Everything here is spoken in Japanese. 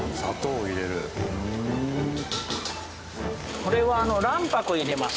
これは卵白を入れます。